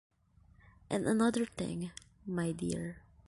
And another thing, my dear.